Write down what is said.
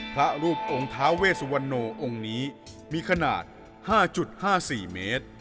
พระรูปองค์ท้าเวสุวรรณโนองค์นี้มีขนาด๕๕๔เมตร